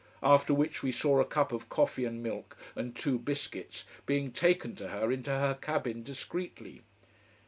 After which we saw a cup of coffee and milk and two biscuits being taken to her into her cabin, discreetly.